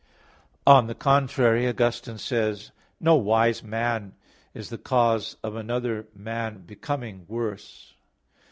On the contrary, Augustine says (Qq. 83,3): "No wise man is the cause of another man becoming worse.